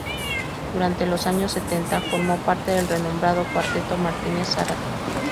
Durante los años setenta formó parte del renombrado Cuarteto Martínez Zárate.